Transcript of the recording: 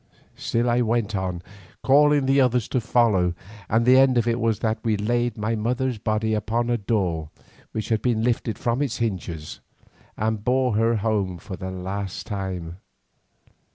Still I went on, calling the others to follow, and the end of it was that we laid my mother's body upon a door which had been lifted from its hinges, and bore her home for the last time.